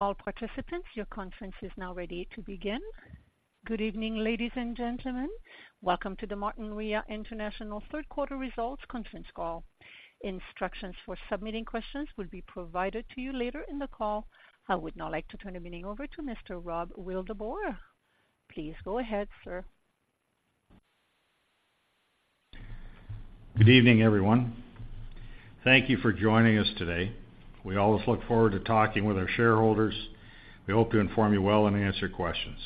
All participants, your conference is now ready to begin. Good evening, ladies and gentlemen. Welcome to the Martinrea International Third Quarter Results Conference Call. Instructions for submitting questions will be provided to you later in the call. I would now like to turn the meeting over to Mr. Rob Wildeboer. Please go ahead, sir. Good evening, everyone. Thank you for joining us today. We always look forward to talking with our shareholders. We hope to inform you well and answer questions.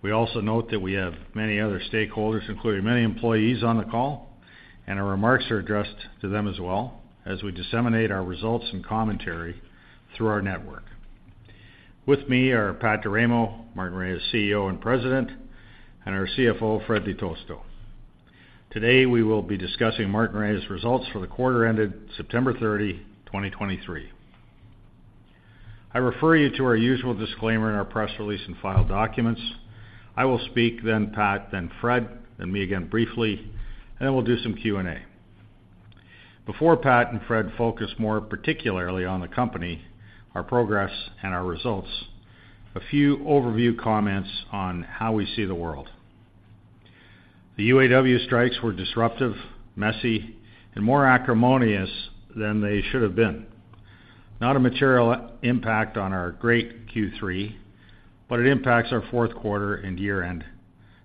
We also note that we have many other stakeholders, including many employees on the call, and our remarks are addressed to them as well as we disseminate our results and commentary through our network. With me are Pat D'Eramo, Martinrea's CEO and President, and our CFO, Fred Di Tosto. Today, we will be discussing Martinrea's results for the quarter ended September 30, 2023. I refer you to our usual disclaimer in our press release and file documents. I will speak, then Pat, then Fred, then me again briefly, and then we'll do some Q&A. Before Pat and Fred focus more particularly on the company, our progress, and our results, a few overview comments on how we see the world. The UAW strikes were disruptive, messy, and more acrimonious than they should have been. Not a material impact on our great Q3, but it impacts our fourth quarter and year-end,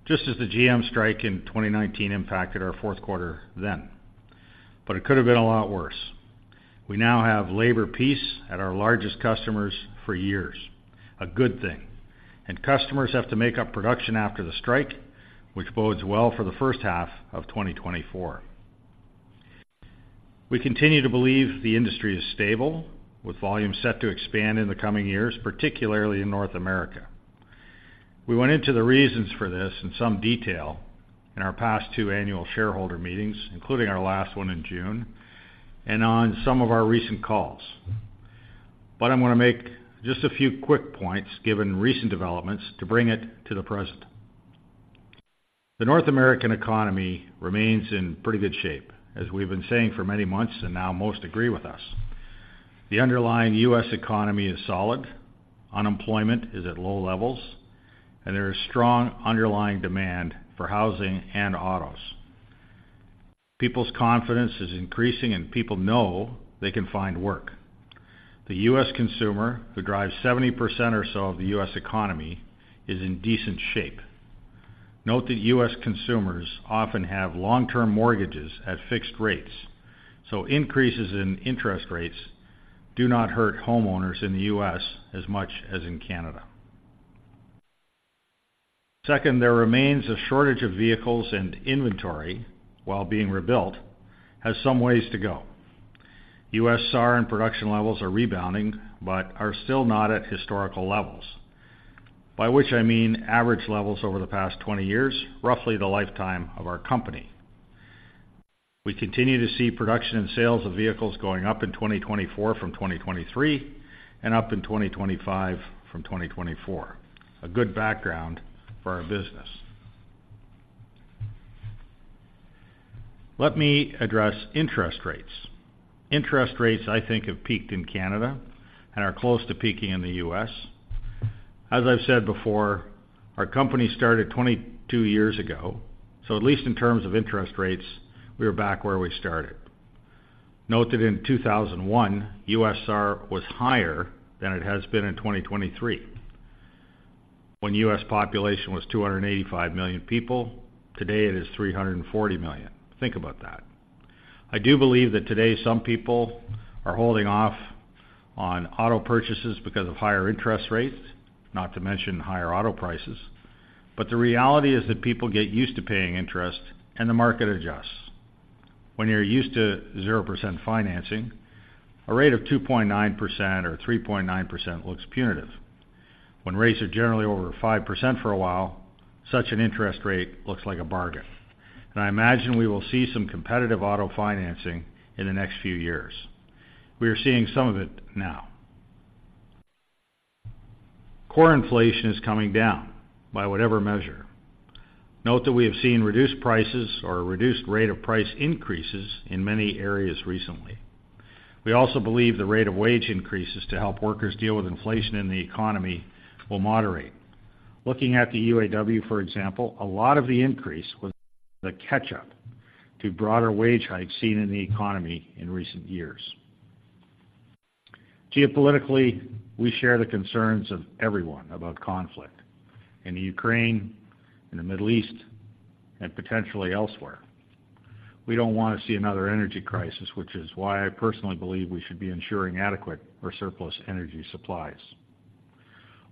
just as the GM strike in 2019 impacted our fourth quarter then, but it could have been a lot worse. We now have labor peace at our largest customers for years, a good thing, and customers have to make up production after the strike, which bodes well for the first half of 2024. We continue to believe the industry is stable, with volumes set to expand in the coming years, particularly in North America. We went into the reasons for this in some detail in our past two annual shareholder meetings, including our last one in June, and on some of our recent calls. But I'm gonna make just a few quick points, given recent developments, to bring it to the present. The North American economy remains in pretty good shape, as we've been saying for many months, and now most agree with us. The underlying US economy is solid, unemployment is at low levels, and there is strong underlying demand for housing and autos. People's confidence is increasing, and people know they can find work. The US consumer, who drives 70% or so of the US economy, is in decent shape. Note that US consumers often have long-term mortgages at fixed rates, so increases in interest rates do not hurt homeowners in the US as much as in Canada. Second, there remains a shortage of vehicles, and inventory, while being rebuilt, has some ways to go. US SAAR and production levels are rebounding but are still not at historical levels, by which I mean average levels over the past 20 years, roughly the lifetime of our company. We continue to see production and sales of vehicles going up in 2024 from 2023 and up in 2025 from 2024. A good background for our business. Let me address interest rates. Interest rates, I think, have peaked in Canada and are close to peaking in the US. As I've said before, our company started 22 years ago, so at least in terms of interest rates, we are back where we started. Note that in 2001, US SAAR was higher than it has been in 2023, when US population was 285 million people. Today, it is 340 million. Think about that. I do believe that today some people are holding off on auto purchases because of higher interest rates, not to mention higher auto prices. But the reality is that people get used to paying interest and the market adjusts. When you're used to 0% financing, a rate of 2.9% or 3.9% looks punitive. When rates are generally over 5% for a while, such an interest rate looks like a bargain, and I imagine we will see some competitive auto financing in the next few years. We are seeing some of it now. Core inflation is coming down by whatever measure. Note that we have seen reduced prices or a reduced rate of price increases in many areas recently. We also believe the rate of wage increases to help workers deal with inflation in the economy will moderate. Looking at the UAW, for example, a lot of the increase was the catch-up to broader wage hikes seen in the economy in recent years. Geopolitically, we share the concerns of everyone about conflict in Ukraine, in the Middle East, and potentially elsewhere. We don't want to see another energy crisis, which is why I personally believe we should be ensuring adequate or surplus energy supplies.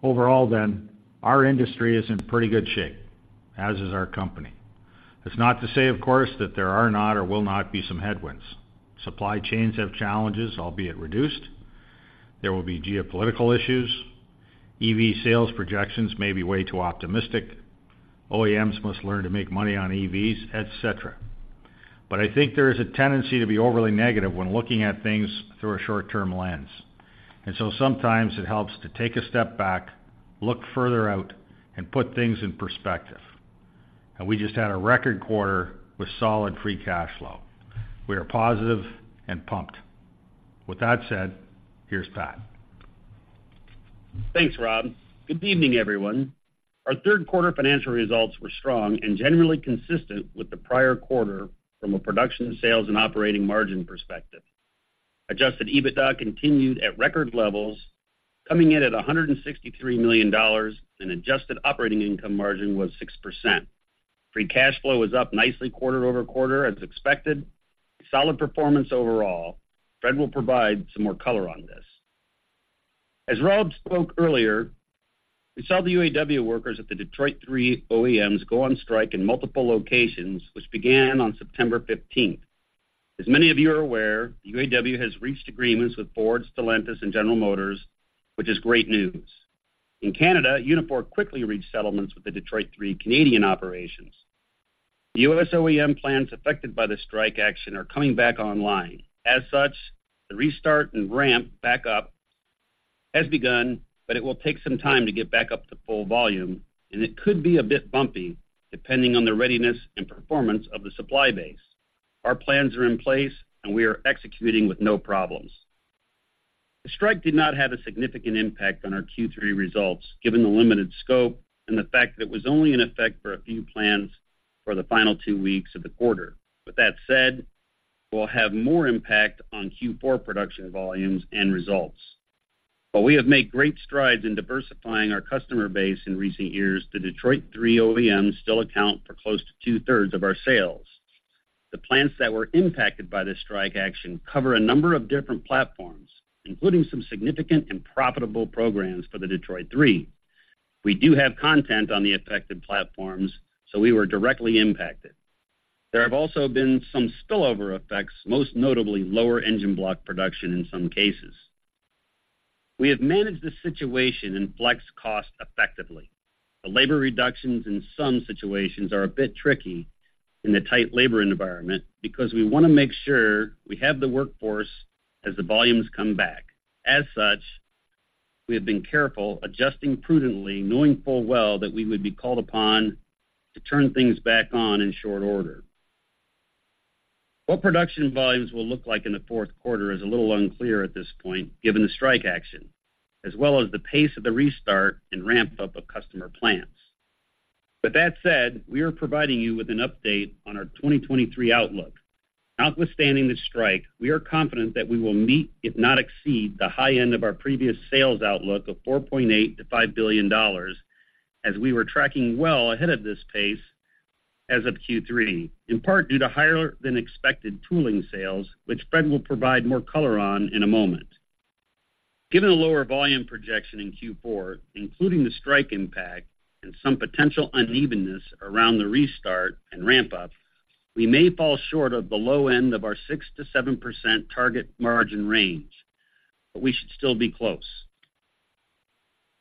Overall then, our industry is in pretty good shape, as is our company. It's not to say, of course, that there are not or will not be some headwinds. Supply chains have challenges, albeit reduced. There will be geopolitical issues. EV sales projections may be way too optimistic. OEMs must learn to make money on EVs, et cetera. But I think there is a tendency to be overly negative when looking at things through a short-term lens, and so sometimes it helps to take a step back, look further out, and put things in perspective... and we just had a record quarter with solid free cash flow. We are positive and pumped. With that said, here's Pat. Thanks, Rob. Good evening, everyone. Our third quarter financial results were strong and generally consistent with the prior quarter from a production, sales, and operating margin perspective. Adjusted EBITDA continued at record levels, coming in at 163 million dollars, and adjusted operating income margin was 6%. Free cash flow was up nicely quarter-over-quarter, as expected. Solid performance overall. Fred will provide some more color on this. As Rob spoke earlier, we saw the UAW workers at the Detroit Three OEMs go on strike in multiple locations, which began on September fifteenth. As many of you are aware, the UAW has reached agreements with Ford, Stellantis, and General Motors, which is great news. In Canada, Unifor quickly reached settlements with the Detroit Three Canadian operations. The US OEM plants affected by the strike action are coming back online. As such, the restart and ramp back up has begun, but it will take some time to get back up to full volume, and it could be a bit bumpy, depending on the readiness and performance of the supply base. Our plans are in place, and we are executing with no problems. The strike did not have a significant impact on our Q3 results, given the limited scope and the fact that it was only in effect for a few plants for the final two weeks of the quarter. With that said, we'll have more impact on Q4 production volumes and results. While we have made great strides in diversifying our customer base in recent years, the Detroit Three OEMs still account for close to two-thirds of our sales. The plants that were impacted by this strike action cover a number of different platforms, including some significant and profitable programs for the Detroit Three. We do have content on the affected platforms, so we were directly impacted. There have also been some spillover effects, most notably lower engine block production in some cases. We have managed this situation and flexed cost effectively. The labor reductions in some situations are a bit tricky in the tight labor environment because we want to make sure we have the workforce as the volumes come back. As such, we have been careful, adjusting prudently, knowing full well that we would be called upon to turn things back on in short order. What production volumes will look like in the fourth quarter is a little unclear at this point, given the strike action, as well as the pace of the restart and ramp up of customer plans. With that said, we are providing you with an update on our 2023 outlook. Notwithstanding the strike, we are confident that we will meet, if not exceed, the high end of our previous sales outlook of $4.8 billion-$5 billion, as we were tracking well ahead of this pace as of Q3, in part due to higher-than-expected tooling sales, which Fred will provide more color on in a moment. Given the lower volume projection in Q4, including the strike impact and some potential unevenness around the restart and ramp up, we may fall short of the low end of our 6%-7% target margin range, but we should still be close.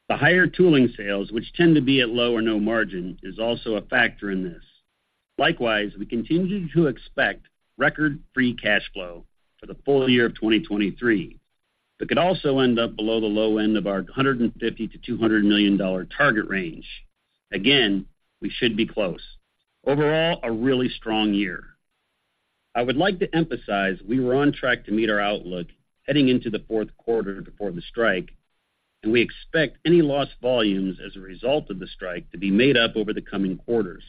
The higher tooling sales, which tend to be at low or no margin, is also a factor in this. Likewise, we continue to expect record free cash flow for the full year of 2023, but could also end up below the low end of our 150 million-200 million dollar target range. Again, we should be close. Overall, a really strong year. I would like to emphasize we were on track to meet our outlook heading into the fourth quarter before the strike, and we expect any lost volumes as a result of the strike to be made up over the coming quarters.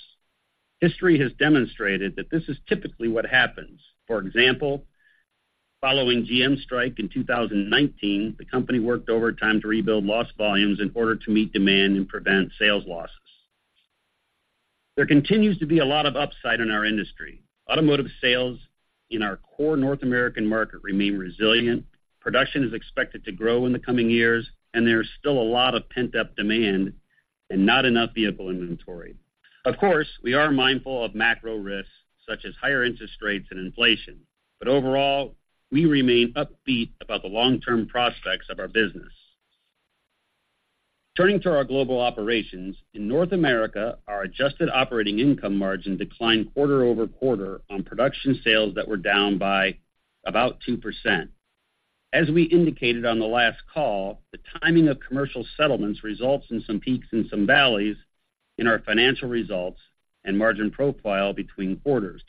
History has demonstrated that this is typically what happens. For example, following GM strike in 2019, the company worked overtime to rebuild lost volumes in order to meet demand and prevent sales losses. There continues to be a lot of upside in our industry. Automotive sales in our core North American market remain resilient. Production is expected to grow in the coming years, and there is still a lot of pent-up demand and not enough vehicle inventory. Of course, we are mindful of macro risks, such as higher interest rates and inflation, but overall, we remain upbeat about the long-term prospects of our business. Turning to our global operations, in North America, our adjusted operating income margin declined quarter-over-quarter on production sales that were down by about 2%. As we indicated on the last call, the timing of commercial settlements results in some peaks and some valleys in our financial results and margin profile between quarters.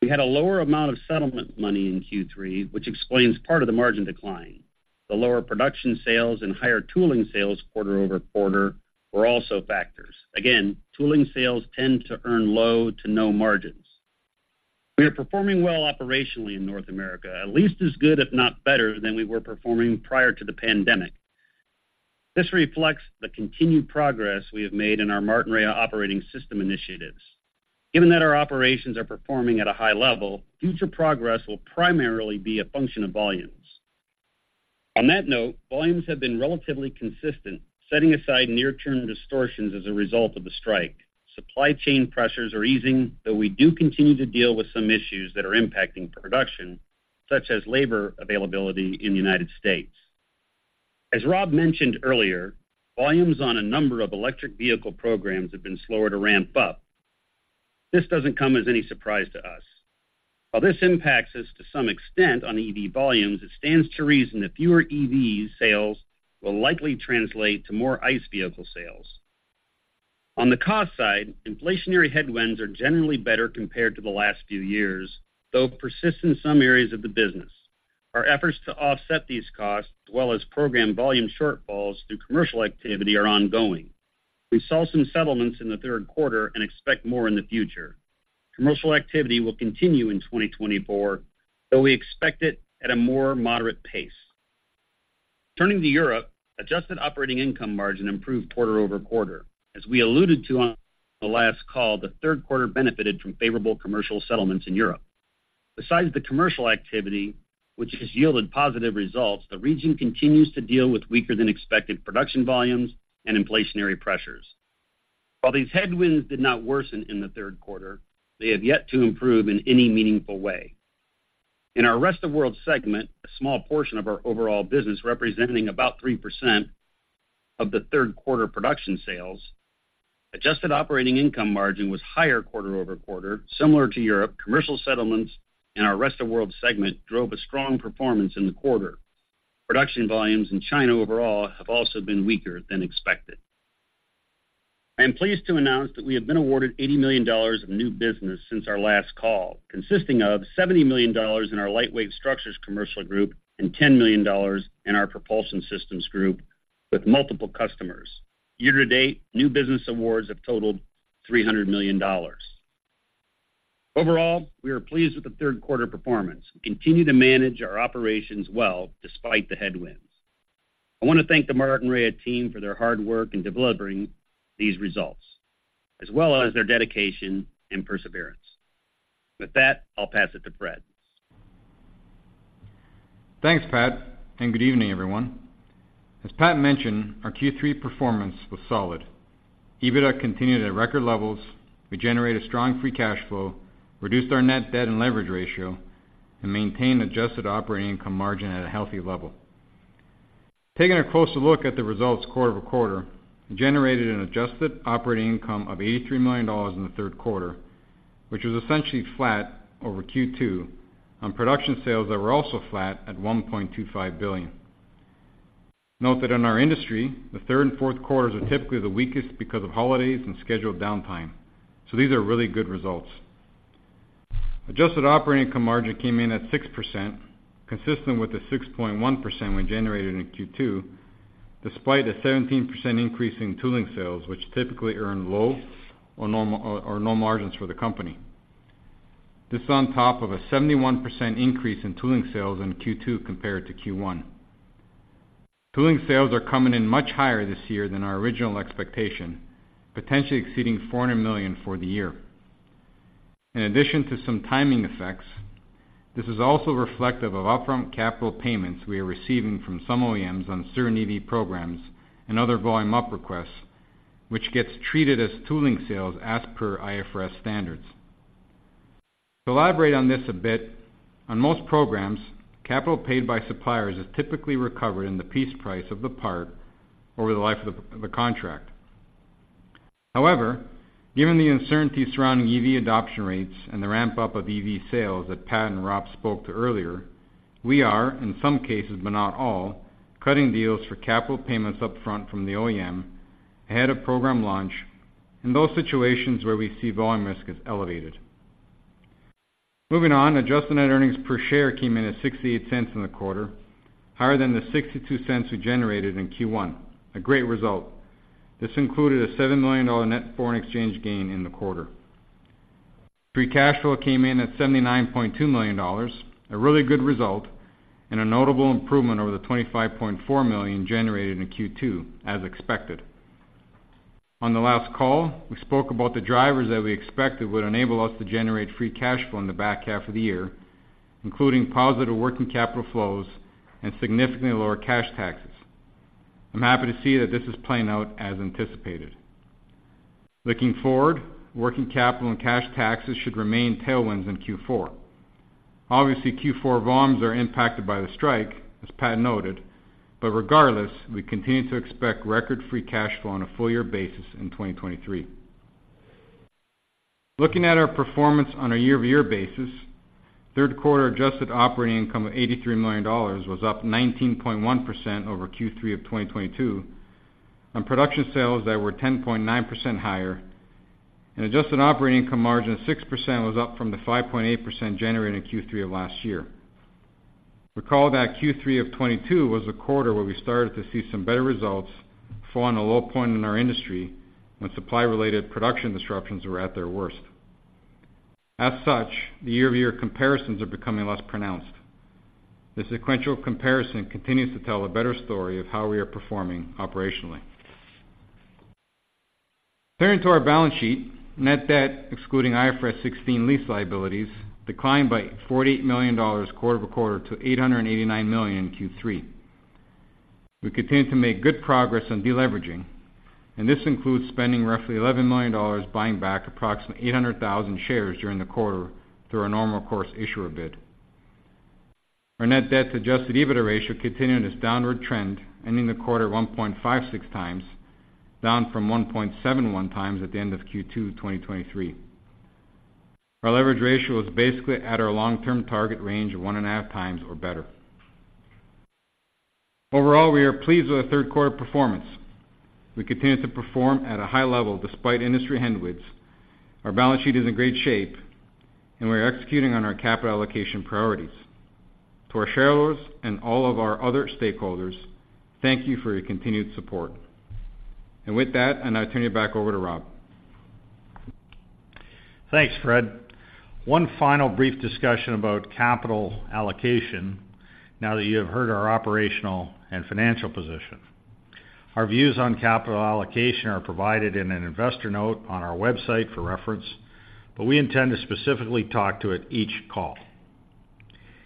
We had a lower amount of settlement money in Q3, which explains part of the margin decline. The lower production sales and higher tooling sales quarter-over-quarter were also factors. Again, tooling sales tend to earn low to no margins. We are performing well operationally in North America, at least as good, if not better, than we were performing prior to the pandemic. This reflects the continued progress we have made in our Martinrea Operating System initiatives. Given that our operations are performing at a high level, future progress will primarily be a function of volumes. On that note, volumes have been relatively consistent, setting aside near-term distortions as a result of the strike. Supply chain pressures are easing, though we do continue to deal with some issues that are impacting production, such as labor availability in the United States. As Rob mentioned earlier, volumes on a number of electric vehicle programs have been slower to ramp up. This doesn't come as any surprise to us. While this impacts us to some extent on EV volumes, it stands to reason that fewer EV sales will likely translate to more ICE vehicle sales. On the cost side, inflationary headwinds are generally better compared to the last few years, though persist in some areas of the business. Our efforts to offset these costs, as well as program volume shortfalls through commercial activity, are ongoing. We saw some settlements in the third quarter and expect more in the future. Commercial activity will continue in 2024, though we expect it at a more moderate pace. Turning to Europe, adjusted operating income margin improved quarter-over-quarter. As we alluded to on the last call, the third quarter benefited from favorable commercial settlements in Europe. Besides the commercial activity, which has yielded positive results, the region continues to deal with weaker than expected production volumes and inflationary pressures. While these headwinds did not worsen in the third quarter, they have yet to improve in any meaningful way. In our Rest of World segment, a small portion of our overall business, representing about 3% of the third quarter production sales, adjusted operating income margin was higher quarter-over-quarter. Similar to Europe, commercial settlements in our Rest of World segment drove a strong performance in the quarter. Production volumes in China overall have also been weaker than expected. I am pleased to announce that we have been awarded 80 million dollars of new business since our last call, consisting of 70 million dollars in our Lightweight Structures commercial group and 10 million dollars in our Propulsion Systems group, with multiple customers. Year to date, new business awards have totaled 300 million dollars. Overall, we are pleased with the third quarter performance. We continue to manage our operations well despite the headwinds. I want to thank the Martinrea team for their hard work in delivering these results, as well as their dedication and perseverance. With that, I'll pass it to Fred. Thanks, Pat, and good evening, everyone. As Pat mentioned, our Q3 performance was solid. EBITDA continued at record levels. We generated strong free cash flow, reduced our net debt and leverage ratio, and maintained adjusted operating income margin at a healthy level. Taking a closer look at the results quarter-over-quarter, we generated an adjusted operating income of 83 million dollars in the third quarter, which was essentially flat over Q2, on production sales that were also flat at 1.25 billion. Note that in our industry, the third and fourth quarters are typically the weakest because of holidays and scheduled downtime, so these are really good results. Adjusted operating income margin came in at 6%, consistent with the 6.1% we generated in Q2, despite a 17% increase in tooling sales, which typically earn low or normal or no margins for the company. This is on top of a 71% increase in tooling sales in Q2 compared to Q1. Tooling sales are coming in much higher this year than our original expectation, potentially exceeding 400 million for the year. In addition to some timing effects, this is also reflective of upfront capital payments we are receiving from some OEMs on certain EV programs and other volume-up requests, which gets treated as tooling sales as per IFRS standards. To elaborate on this a bit, on most programs, capital paid by suppliers is typically recovered in the piece price of the part over the life of the contract. However, given the uncertainty surrounding EV adoption rates and the ramp-up of EV sales that Pat and Rob spoke to earlier, we are, in some cases, but not all, cutting deals for capital payments upfront from the OEM ahead of program launch in those situations where we see volume risk is elevated. Moving on, adjusted net earnings per share came in at 0.68 in the quarter, higher than the 0.62 we generated in Q1. A great result. This included a 7 million dollar net foreign exchange gain in the quarter. Free cash flow came in at 79.2 million dollars, a really good result and a notable improvement over the 25.4 million generated in Q2, as expected. On the last call, we spoke about the drivers that we expected would enable us to generate free cash flow in the back half of the year, including positive working capital flows and significantly lower cash taxes. I'm happy to see that this is playing out as anticipated. Looking forward, working capital and cash taxes should remain tailwinds in Q4. Obviously, Q4 volumes are impacted by the strike, as Pat noted, but regardless, we continue to expect record free cash flow on a full year basis in 2023. Looking at our performance on a year-over-year basis, third quarter adjusted operating income of $83 million was up 19.1% over Q3 of 2022, on production sales that were 10.9% higher, and adjusted operating income margin of 6% was up from the 5.8% generated in Q3 of last year. Recall that Q3 of 2022 was a quarter where we started to see some better results following a low point in our industry when supply-related production disruptions were at their worst. As such, the year-over-year comparisons are becoming less pronounced. The sequential comparison continues to tell a better story of how we are performing operationally. Turning to our balance sheet, net debt, excluding IFRS 16 lease liabilities, declined 48 million dollars quarter-over-quarter 889 million in Q3. We continue to make good progress on deleveraging, and this includes spending roughly 11 million dollars buying back approximately 800,000 shares during the quarter through our normal course issuer bid. Our net debt to adjusted EBITDA ratio continued its downward trend, ending the quarter 1.56 times, down from 1.71 times at the end of Q2 2023. Our leverage ratio was basically at our long-term target range of 1.5 times or better. Overall, we are pleased with our third quarter performance. We continue to perform at a high level despite industry headwinds. Our balance sheet is in great shape, and we are executing on our capital allocation priorities. To our shareholders and all of our other stakeholders, thank you for your continued support. With that, I now turn it back over to Rob. Thanks, Fred. One final brief discussion about capital allocation now that you have heard our operational and financial position. Our views on capital allocation are provided in an investor note on our website for reference, but we intend to specifically talk to it each call.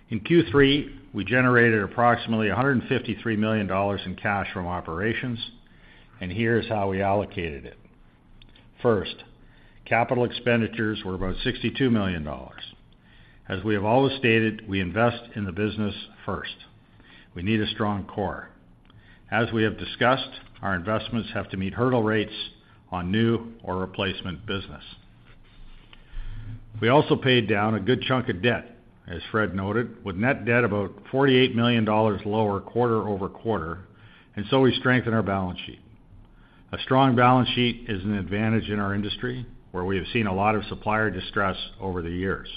In Q3, we generated approximately 153 million dollars in cash from operations, and here's how we allocated it. First, capital expenditures were about 62 million dollars. As we have always stated, we invest in the business first. We need a strong core. As we have discussed, our investments have to meet hurdle rates on new or replacement business. We also paid down a good chunk of debt, as Fred noted, with net debt about 48 million dollars lower quarter-over-quarter, and so we strengthen our balance sheet. A strong balance sheet is an advantage in our industry, where we have seen a lot of supplier distress over the years.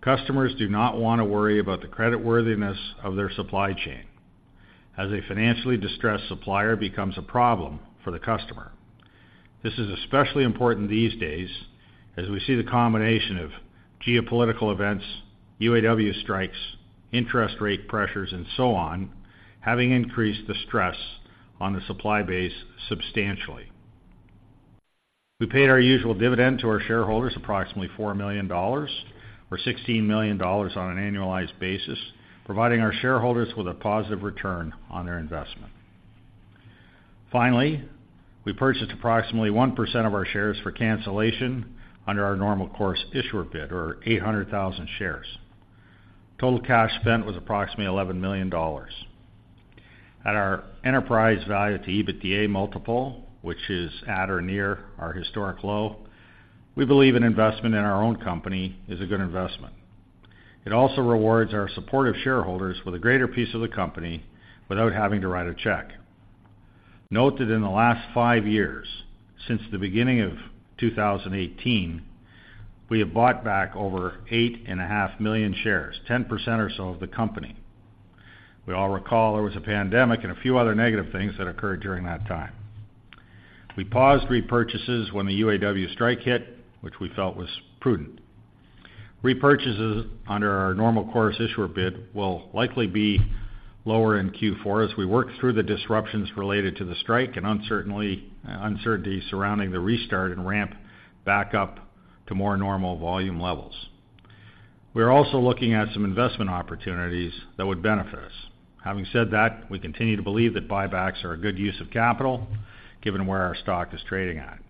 Customers do not want to worry about the creditworthiness of their supply chain, as a financially distressed supplier becomes a problem for the customer. This is especially important these days as we see the combination of geopolitical events, UAW strikes, interest rate pressures, and so on, having increased the stress on the supply base substantially. We paid our usual dividend to our shareholders, approximately 4 million dollars, or 16 million dollars on an annualized basis, providing our shareholders with a positive return on their investment. Finally, we purchased approximately 1% of our shares for cancellation under our Normal Course Issuer Bid, or 800,000 shares. Total cash spent was approximately 11 million dollars. At our enterprise value to EBITDA multiple, which is at or near our historic low, we believe an investment in our own company is a good investment. It also rewards our supportive shareholders with a greater piece of the company without having to write a check. Note that in the last five years, since the beginning of 2018, we have bought back over 8.5 million shares, 10% or so of the company. We all recall there was a pandemic and a few other negative things that occurred during that time. We paused repurchases when the UAW strike hit, which we felt was prudent. Repurchases under our Normal Course Issuer Bid will likely be lower in Q4 as we work through the disruptions related to the strike and uncertainty surrounding the restart and ramp back up to more normal volume levels. We are also looking at some investment opportunities that would benefit us. Having said that, we continue to believe that buybacks are a good use of capital, given where our stock is trading at.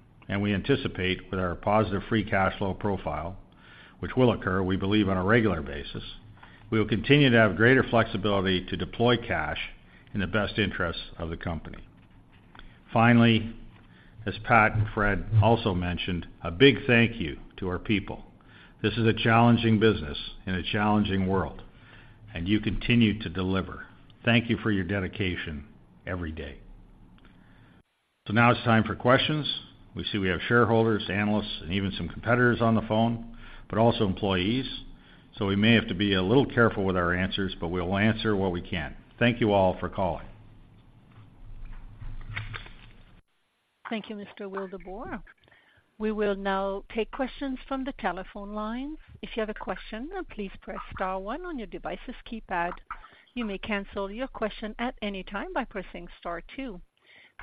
We anticipate with our positive free cash flow profile, which will occur, we believe, on a regular basis, we will continue to have greater flexibility to deploy cash in the best interests of the company. Finally, as Pat and Fred also mentioned, a big thank you to our people. This is a challenging business in a challenging world, and you continue to deliver. Thank you for your dedication every day. Now it's time for questions. We see we have shareholders, analysts, and even some competitors on the phone, but also employees. We may have to be a little careful with our answers, but we'll answer what we can. Thank you all for calling. Thank you, Mr. Wildeboer. We will now take questions from the telephone lines. If you have a question, please press star one on your device's keypad. You may cancel your question at any time by pressing star two.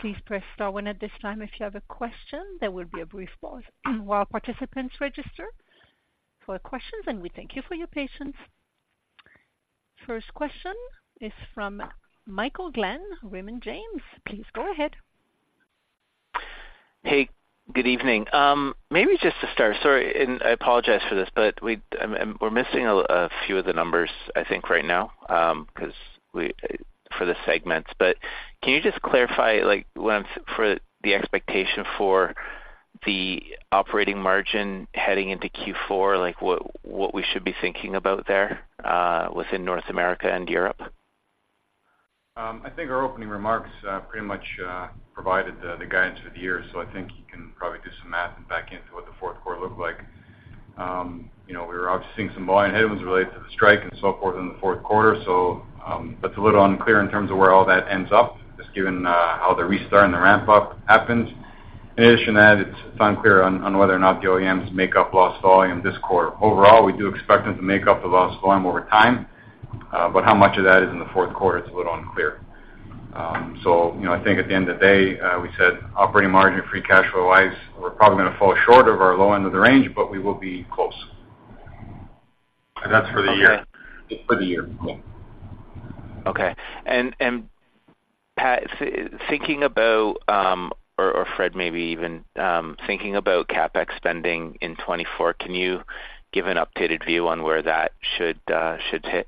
Please press star one at this time if you have a question. There will be a brief pause while participants register for questions, and we thank you for your patience. First question is from Michael Glen, Raymond James. Please go ahead. Hey, good evening. Maybe just to start, sorry, and I apologize for this, but we're missing a few of the numbers, I think, right now, 'cause for the segments. But can you just clarify, like, once for the expectation for the operating margin heading into Q4, like, what we should be thinking about there, within North America and Europe? I think our opening remarks pretty much provided the guidance for the year. So I think you can probably do some math and back into what the fourth quarter looked like. You know, we were obviously seeing some volume headwinds related to the strike and so forth in the fourth quarter. So, that's a little unclear in terms of where all that ends up, just given how the restart and the ramp-up happens. In addition to that, it's unclear on whether or not the OEMs make up lost volume this quarter. Overall, we do expect them to make up the lost volume over time, but how much of that is in the fourth quarter is a little unclear. So you know, I think at the end of the day, we said operating margin, free cash flow-wise, we're probably going to fall short of our low end of the range, but we will be close. That's for the year. It's for the year. Okay. Okay. And, and Pat, thinking about, or, or Fred, maybe even, thinking about CapEx spending in 2024, can you give an updated view on where that should, should hit?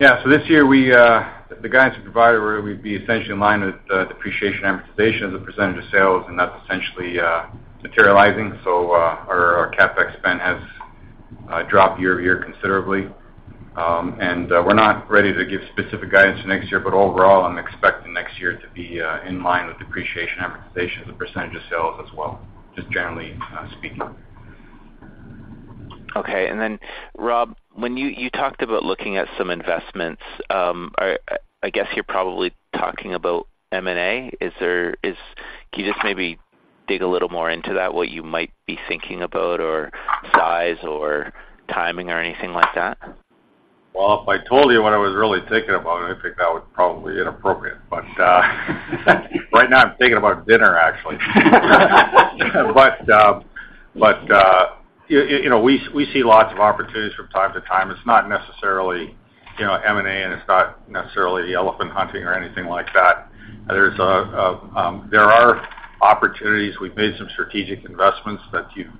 Yeah, so this year, we, the guidance we provided where we'd be essentially in line with the depreciation amortization as a percentage of sales, and that's essentially materializing. So, our CapEx spend has dropped year-over-year considerably. And, we're not ready to give specific guidance next year, but overall, I'm expecting next year to be in line with depreciation amortization as a percentage of sales as well, just generally speaking. Okay. And then, Rob, when you talked about looking at some investments, I guess you're probably talking about M&A. Can you just maybe dig a little more into that, what you might be thinking about or size or timing or anything like that? Well, if I told you what I was really thinking about, I think that would probably inappropriate. But, right now I'm thinking about dinner, actually. But, but, you know, we, we see lots of opportunities from time to time. It's not necessarily, you know, M&A, and it's not necessarily elephant hunting or anything like that. There are opportunities. We've made some strategic investments that you've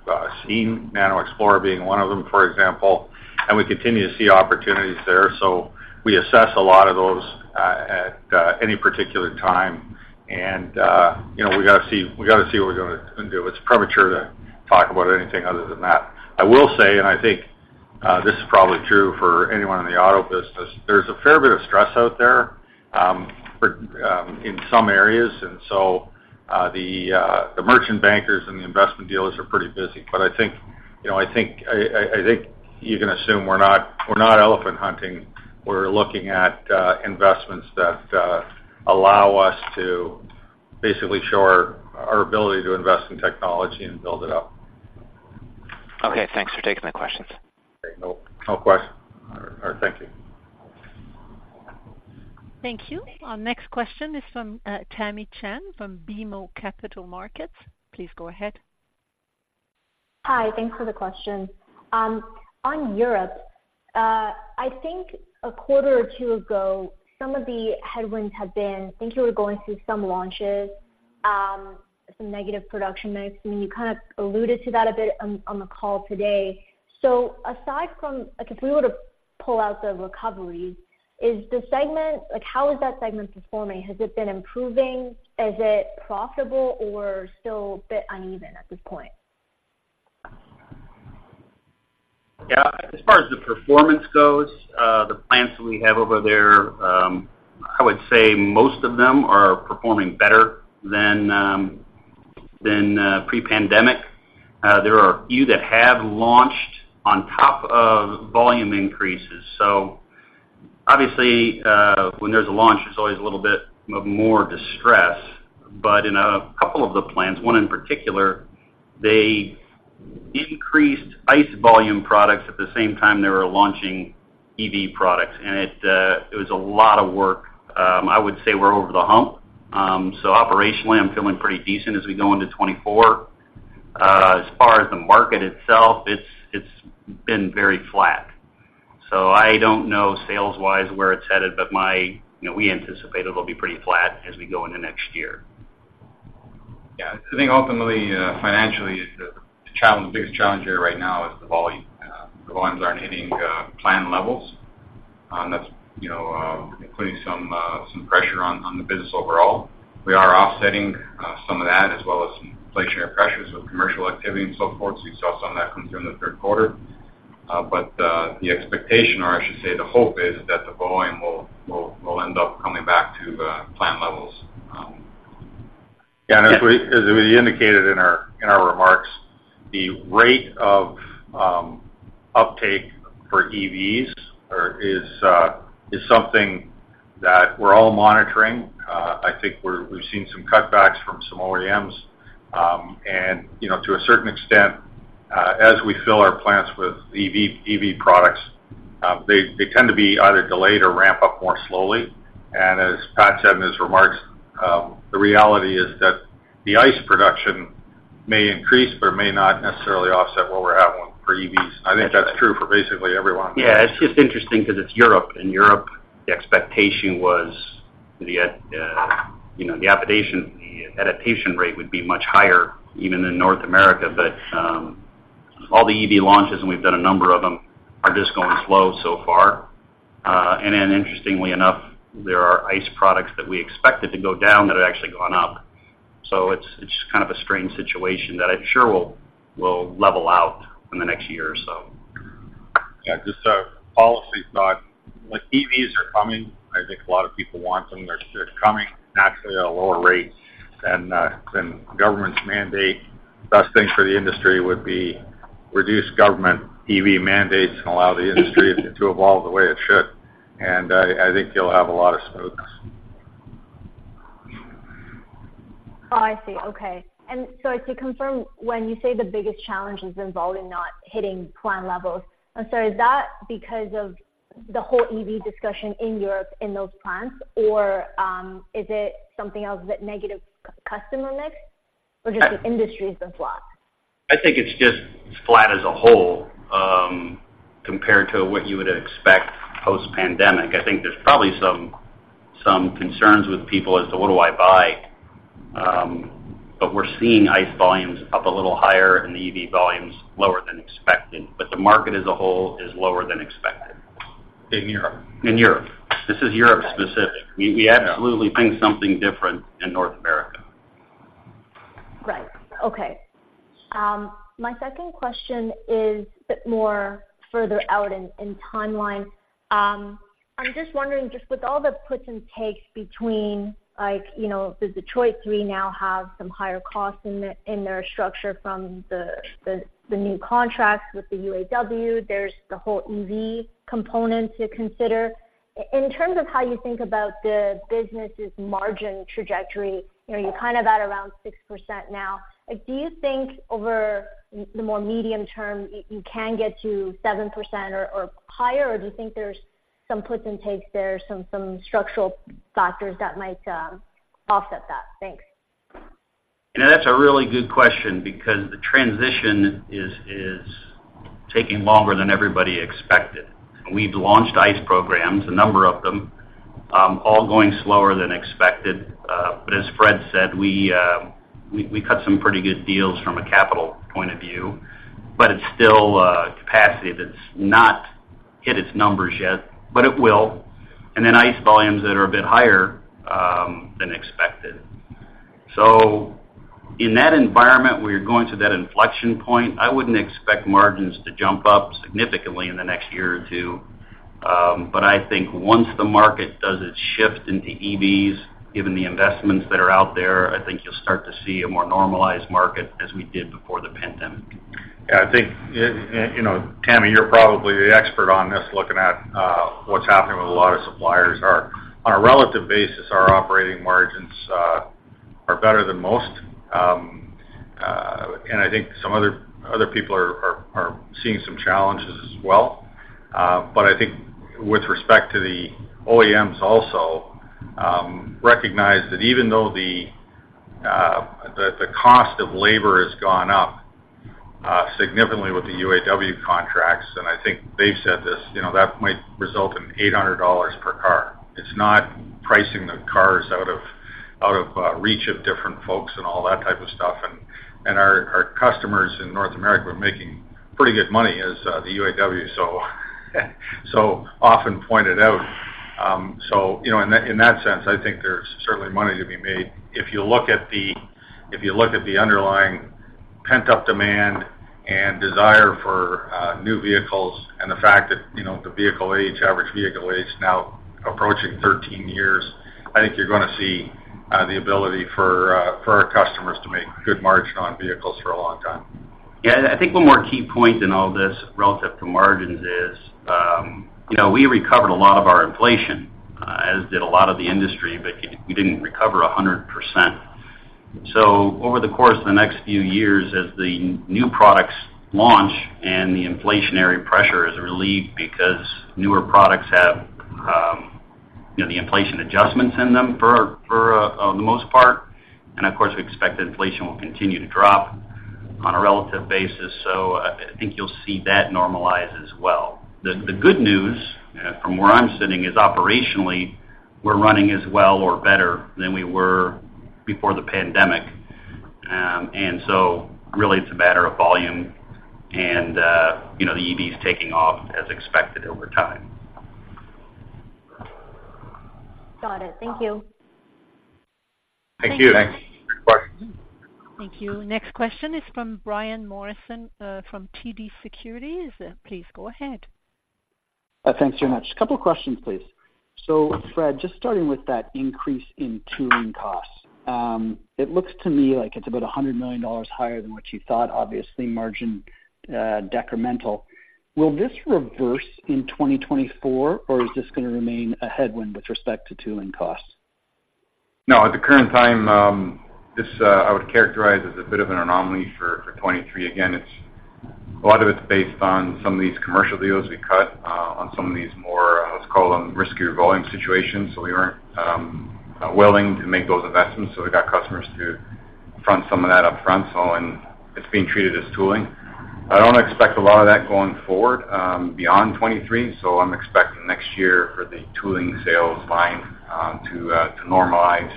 seen, NanoXplore being one of them, for example, and we continue to see opportunities there. So we assess a lot of those at any particular time. And, you know, we got to see, we got to see what we're gonna do. It's premature to talk about anything other than that. I will say, and I think this is probably true for anyone in the auto business. There's a fair bit of stress out there for in some areas. So the merchant bankers and the investment dealers are pretty busy. But I think, you know, I think you can assume we're not elephant hunting. We're looking at investments that allow us to basically show our ability to invest in technology and build it up. Okay, thanks for taking my questions. Great. No, no question. All right. Thank you. Thank you. Our next question is from, Tamy Chen, from BMO Capital Markets. Please go ahead. Hi, thanks for the question. On Europe, I think a quarter or two ago, some of the headwinds have been, I think you were going through some launches, some negative production mix. I mean, you kind of alluded to that a bit on, on the call today. So aside from, like, if we were to pull out the recovery, is the segment—like, how is that segment performing? Has it been improving? Is it profitable or still a bit uneven at this point? Yeah, as far as the performance goes, the plants that we have over there, I would say most of them are performing better than pre-pandemic. There are a few that have launched on top of volume increases. So obviously, when there's a launch, there's always a little bit of more distress. But in a couple of the plants, one in particular, they increased ICE volume products at the same time they were launching EV products, and it was a lot of work. I would say we're over the hump. So operationally, I'm feeling pretty decent as we go into 2024. As far as the market itself, it's been very flat, so I don't know, sales-wise, where it's headed, but my, you know, we anticipate it'll be pretty flat as we go into next year. Yeah, I think ultimately, financially, the challenge, the biggest challenge here right now is the volume. The volumes aren't hitting plan levels. That's, you know, putting some some pressure on on the business overall. We are offsetting some of that, as well as some inflationary pressures with commercial activity and so forth. So you saw some of that come through in the third quarter. But, the expectation, or I should say, the hope is, that the volume will, will, will end up coming back to plan levels. Yeah, and as we indicated in our remarks, the rate of uptake for EVs is something that we're all monitoring. I think we've seen some cutbacks from some OEMs, and, you know, to a certain extent, as we fill our plants with EV products, they tend to be either delayed or ramp up more slowly. And as Pat said in his remarks, the reality is that the ICE production may increase or may not necessarily offset what we're having for EVs. I think that's true for basically everyone. Yeah, it's just interesting because it's Europe. In Europe, the expectation was the, you know, the adaptation, the adaptation rate would be much higher, even in North America. But all the EV launches, and we've done a number of them, are just going slow so far. And then interestingly enough, there are ICE products that we expected to go down that have actually gone up. So it's, it's kind of a strange situation that I'm sure will, will level out in the next year or so. Yeah, just a policy thought. Like, EVs are coming. I think a lot of people want them. They're coming naturally at a lower rate than governments mandate. Best thing for the industry would be reduce government EV mandates and allow the industry to evolve the way it should. And I think you'll have a lot of smokes. Oh, I see. Okay. And so to confirm, when you say the biggest challenge is involving not hitting plan levels, and so is that because of the whole EV discussion in Europe in those plants, or is it something else, that negative customer mix? Or just the industry's been flat? I think it's just flat as a whole, compared to what you would expect post-pandemic. I think there's probably some concerns with people as to what do I buy? But we're seeing ICE volumes up a little higher and the EV volumes lower than expected, but the market as a whole is lower than expected. In Europe. In Europe. This is Europe-specific. We, we absolutely think something different in North America. Right. Okay. My second question is a bit more further out in the timeline. I'm just wondering, just with all the puts and takes between, like, you know, the Detroit Three now have some higher costs in their structure from the new contracts with the UAW, there's the whole EV component to consider. In terms of how you think about the business's margin trajectory, you know, you're kind of at around 6% now. Like, do you think over the more medium term, you can get to 7% or higher? Or do you think there's some puts and takes there, some structural factors that might offset that? Thanks. You know, that's a really good question because the transition is taking longer than everybody expected. We've launched ICE programs, a number of them, all going slower than expected. But as Fred said, we cut some pretty good deals from a capital point of view, but it's still capacity that's not hit its numbers yet, but it will. And then ICE volumes that are a bit higher than expected. So in that environment, where you're going to that inflection point, I wouldn't expect margins to jump up significantly in the next year or two. But I think once the market does its shift into EVs, given the investments that are out there, I think you'll start to see a more normalized market as we did before the pandemic. Yeah, I think, you know, Tammy, you're probably the expert on this, looking at what's happening with a lot of suppliers. On a relative basis, our operating margins are better than most. And I think some other people are seeing some challenges as well. But I think with respect to the OEMs also recognize that even though the cost of labor has gone up significantly with the UAW contracts, and I think they've said this, you know, that might result in 800 dollars per car. It's not pricing the cars out of reach of different folks and all that type of stuff. And our customers in North America are making pretty good money as the UAW so often pointed out. So you know, in that, in that sense, I think there's certainly money to be made. If you look at the... If you look at the underlying pent-up demand and desire for new vehicles and the fact that, you know, the vehicle age, average vehicle age, is now approaching 13 years, I think you're gonna see the ability for for our customers to make good margin on vehicles for a long time. Yeah, and I think one more key point in all this relative to margins is, you know, we recovered a lot of our inflation, as did a lot of the industry, but we didn't recover 100%. So over the course of the next few years, as the new products launch and the inflationary pressure is relieved because newer products have, you know, the inflation adjustments in them for the most part, and of course, we expect that inflation will continue to drop on a relative basis. So I think you'll see that normalize as well. The good news, from where I'm sitting, is operationally, we're running as well or better than we were before the pandemic. And so really, it's a matter of volume and, you know, the EV is taking off as expected over time. Got it. Thank you. Thank you. Thanks. Good question. Thank you. Next question is from Brian Morrison, from TD Securities. Please go ahead. Thanks very much. A couple questions, please. So Fred, just starting with that increase in tooling costs, it looks to me like it's about $100 million higher than what you thought, obviously, margin, decremental. Will this reverse in 2024, or is this gonna remain a headwind with respect to tooling costs? No, at the current time, this, I would characterize as a bit of an anomaly for 2023. Again, it's. A lot of it's based on some of these commercial deals we cut, on some of these more, let's call them, riskier volume situations. So we weren't willing to make those investments, so we got customers to front some of that upfront, so, and it's being treated as tooling. I don't expect a lot of that going forward, beyond 2023, so I'm expecting next year for the tooling sales line, to normalize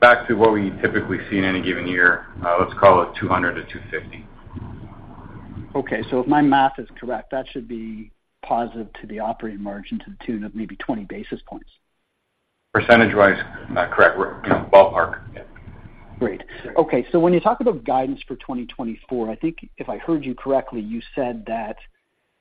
back to what we typically see in any given year, let's call it 200-250. Okay. If my math is correct, that should be positive to the operating margin to the tune of maybe 20 basis points. Percentage-wise, correct. You know, ballpark, yeah. Great. Okay, so when you talk about guidance for 2024, I think if I heard you correctly, you said that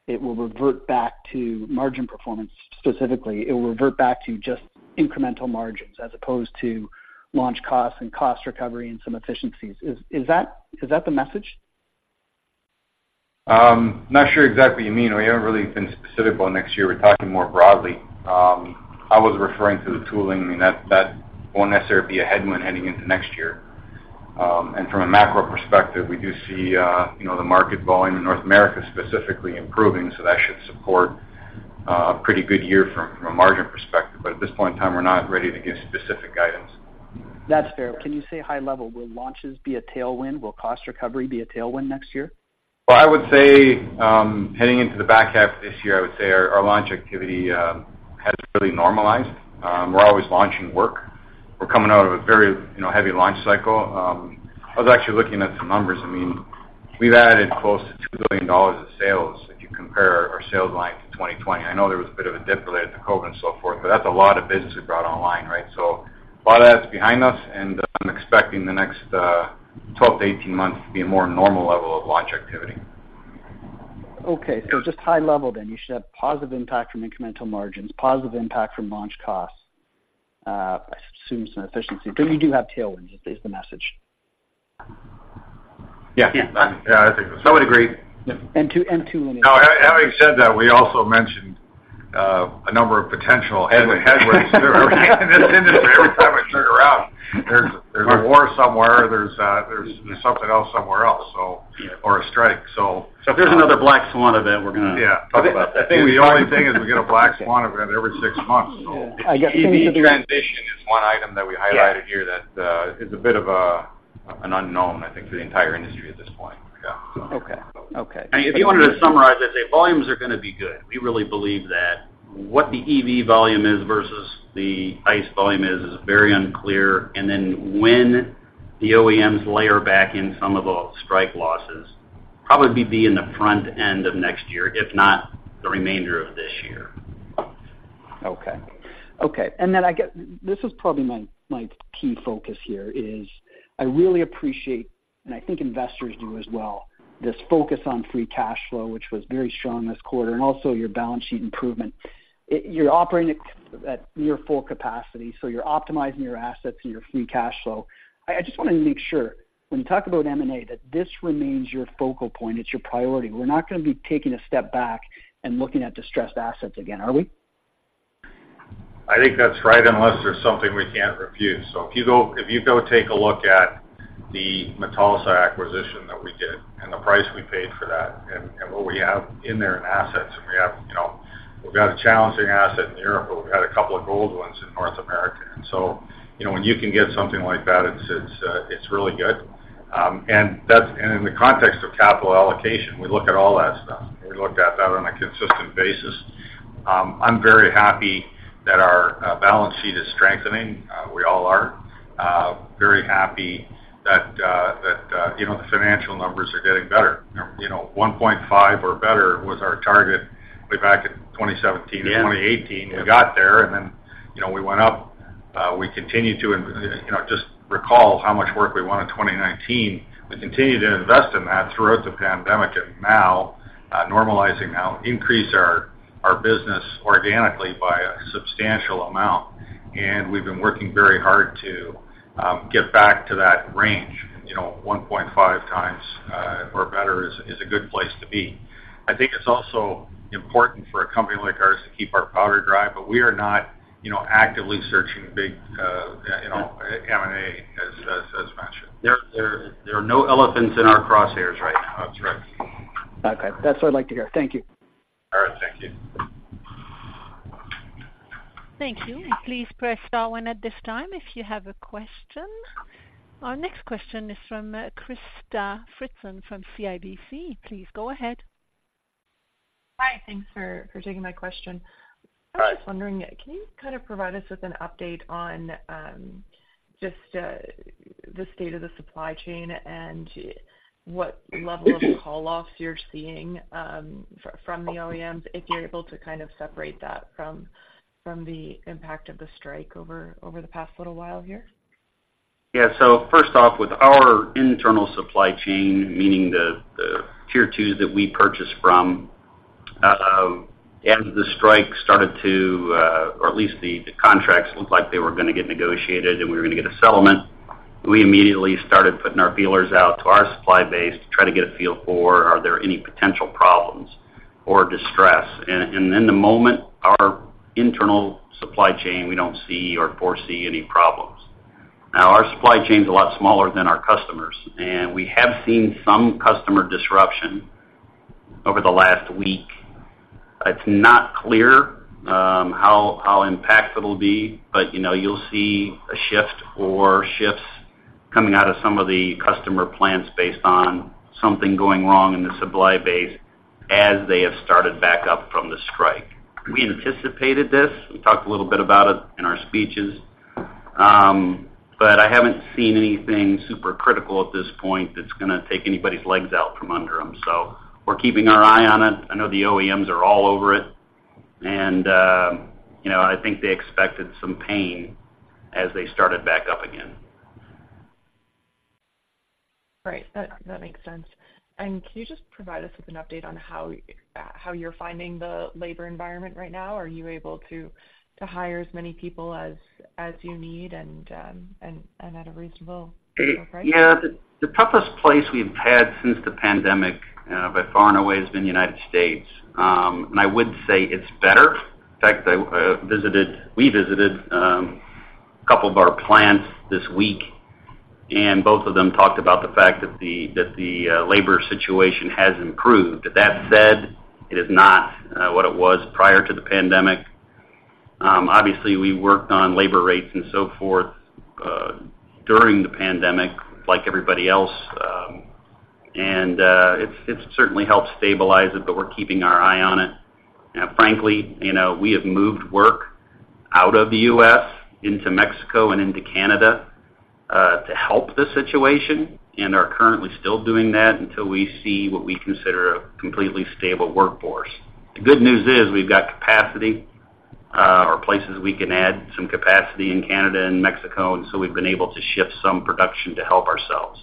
it will revert back to margin performance. Specifically, it will revert back to just incremental margins as opposed to launch costs and cost recovery and some efficiencies. Is that the message? Not sure exactly what you mean. We haven't really been specific on next year. We're talking more broadly. I was referring to the tooling. I mean, that won't necessarily be a headwind heading into next year. And from a macro perspective, we do see, you know, the market volume in North America specifically improving, so that should support a pretty good year from a margin perspective. But at this point in time, we're not ready to give specific guidance. That's fair. Can you say, high level, will launches be a tailwind? Will cost recovery be a tailwind next year? Well, I would say, heading into the back half of this year, I would say our launch activity has really normalized. We're always launching work. We're coming out of a very, you know, heavy launch cycle. I was actually looking at some numbers. I mean, we've added close to 2 billion dollars of sales if you compare our sales line to 2020. I know there was a bit of a dip related to COVID and so forth, but that's a lot of business we brought online, right? So a lot of that's behind us, and I'm expecting the next 12-18 months to be a more normal level of launch activity. Okay. So just high level then, you should have positive impact from incremental margins, positive impact from launch costs, I assume some efficiency. So you do have tailwinds, is the message? Yeah. Yeah, I think so. I would agree. Yep. And two- Now, having said that, we also mentioned a number of potential headwinds. In this industry, every time I turn around, there's, there's a war somewhere, there's there's something else somewhere else, so- Yeah. Or a strike, so- If there's another Black Swan event, we're gonna- Yeah. Talk about that. I think the only thing is we get a Black Swan event every six months, so- I guess- EV transition is one item that we highlighted here- Yeah. That is a bit of a, an unknown, I think, for the entire industry at this point. Yeah. Okay. Okay. If you wanted to summarize, I'd say volumes are gonna be good. We really believe that what the EV volume is versus the ICE volume is, is very unclear, and then when the OEMs layer back in some of the strike losses, probably be in the front end of next year, if not the remainder of this year. Okay. Okay, and then this is probably my key focus here, is I really appreciate, and I think investors do as well, this focus on free cash flow, which was very strong this quarter, and also your balance sheet improvement. You're operating at near full capacity, so you're optimizing your assets and your free cash flow. I just wanted to make sure when you talk about M&A, that this remains your focal point, it's your priority. We're not gonna be taking a step back and looking at distressed assets again, are we? I think that's right, unless there's something we can't refuse. So if you go, if you go take a look at the Metalsa acquisition that we did and the price we paid for that and what we have in there in assets, and we have, you know, we've got a challenging asset in Europe, but we've got a couple of gold ones in North America. And so, you know, when you can get something like that, it's really good. And in the context of capital allocation, we look at all that stuff. We look at that on a consistent basis. I'm very happy that our balance sheet is strengthening. We all are very happy that you know, the financial numbers are getting better. You know, 1.5 or better was our target way back in 2017 and 2018. Yes. We got there, and then, you know, we went up. We continued to—you know, just recall how much work we won in 2019. We continued to invest in that throughout the pandemic, and now, normalizing now, increase our, our business organically by a substantial amount. And we've been working very hard to get back to that range. You know, 1.5 times or better is a good place to be. I think it's also important for a company like ours to keep our powder dry, but we are not, you know, actively searching big, you know, M&A, as mentioned. There are no elephants in our crosshairs right now. That's right. Okay. That's what I'd like to hear. Thank you. All right. Thank you. Thank you. Please press star one at this time if you have a question. Our next question is from Krista Friesen, from CIBC. Please go ahead. Hi, thanks for taking my question. I was wondering, can you kind of provide us with an update on just the state of the supply chain and what level of call offs you're seeing from the OEMs, if you're able to kind of separate that from the impact of the strike over the past little while here? Yeah. So first off, with our internal supply chain, meaning the tier twos that we purchase from, as the strike started to, or at least the contracts looked like they were gonna get negotiated and we were gonna get a settlement, we immediately started putting our feelers out to our supply base to try to get a feel for, are there any potential problems or distress? And in the moment, our internal supply chain, we don't see or foresee any problems. Now, our supply chain is a lot smaller than our customers, and we have seen some customer disruption over the last week. It's not clear how impactful it'll be, but, you know, you'll see a shift or shifts coming out of some of the customer plants based on something going wrong in the supply base as they have started back up from the strike. We anticipated this. We talked a little bit about it in our speeches, but I haven't seen anything supercritical at this point that's gonna take anybody's legs out from under them. So we're keeping our eye on it. I know the OEMs are all over it, and, you know, I think they expected some pain as they started back up again. Right. That makes sense. And can you just provide us with an update on how you're finding the labor environment right now? Are you able to hire as many people as you need and at a reasonable price? Yeah. The toughest place we've had since the pandemic, by far and away, has been the United States. And I would say it's better. In fact, I visited, we visited, a couple of our plants this week, and both of them talked about the fact that the labor situation has improved. That said, it is not what it was prior to the pandemic. Obviously, we worked on labor rates and so forth during the pandemic, like everybody else, and it's certainly helped stabilize it, but we're keeping our eye on it. Frankly, you know, we have moved work out of the US into Mexico and into Canada to help the situation and are currently still doing that until we see what we consider a completely stable workforce. The good news is, we've got capacity, or places we can add some capacity in Canada and Mexico, and so we've been able to shift some production to help ourselves.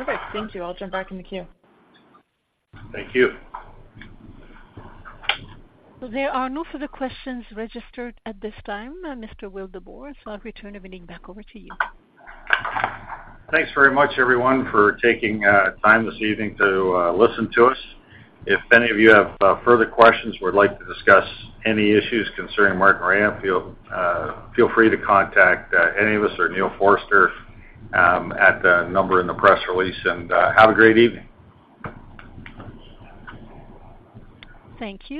Okay, thank you. I'll jump back in the queue. Thank you. There are no further questions registered at this time, Mr. Wildeboer, so I'll return the meeting back over to you. Thanks very much, everyone, for taking time this evening to listen to us. If any of you have further questions or would like to discuss any issues concerning Martinrea, feel free to contact any of us or Neil Forster at the number in the press release, and have a great evening. Thank you.